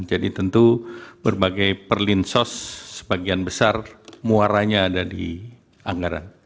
jadi tentu berbagai perlinsos sebagian besar muaranya ada di anggaran